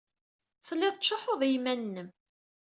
Telliḍ tettcuḥḥuḍ i yiman-nnem.